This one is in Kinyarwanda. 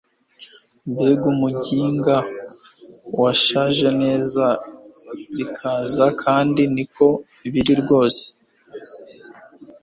mbega umuginga washaje neza bikaze kandi niko biri rwose